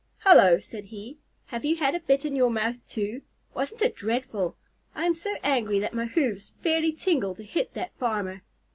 "Hallo!" said he. "Have you had a bit in your mouth too? Wasn't it dreadful? I am so angry that my hoofs fairly tingle to hit that farmer."